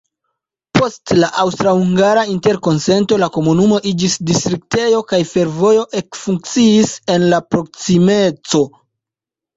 Post la Aŭstra-hungara interkonsento la komunumo iĝis distriktejo kaj fervojo ekfunkciis en la proksimeco.